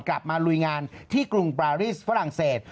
กลับมาลุยงานที่กรุงบราฟิ้งฯฝรั่งเศส